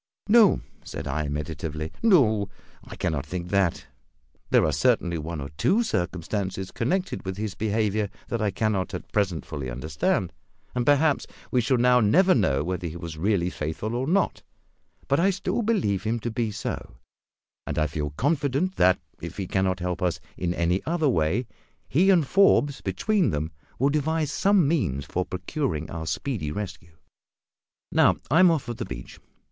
"No," said I, meditatively, "no; I cannot think that. There are certainly one or two circumstances connected with his behaviour that I cannot at present fully understand, and perhaps we shall now never know whether he was really faithful or not; but I still believe him to be so, and I feel confident that, if he cannot help us in any other way, he and Forbes between them will devise some means for procuring our speedy rescue. Now, I am off for the beach.